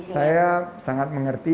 saya sangat mengerti